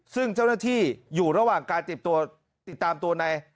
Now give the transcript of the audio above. ซึ่งเจ้าหน้าที่อยู่ระหว่างการติดตามตัวใน